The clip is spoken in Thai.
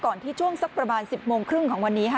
ที่ช่วงสักประมาณ๑๐โมงครึ่งของวันนี้ค่ะ